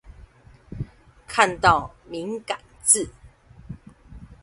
看到敏感字